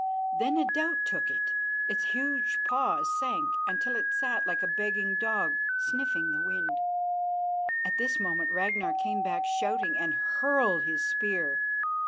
Then a doubt took it, its huge paws sank until it sat like a begging dog, sniffing the wind. At this moment Ragnar came back shouting, and hurled his spear.